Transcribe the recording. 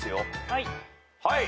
はい。